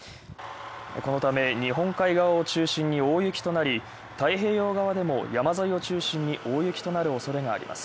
このため、日本海側を中心に大雪となり、太平洋側でも山沿いを中心に大雪となる恐れがあります。